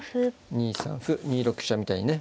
２三歩２六飛車みたいにね。